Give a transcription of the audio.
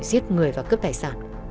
giết người và cướp tài sản